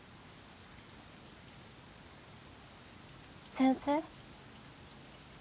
先生。